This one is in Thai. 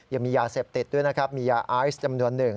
ยังมียาเสพติดด้วยนะครับมียาไอซ์จำนวนหนึ่ง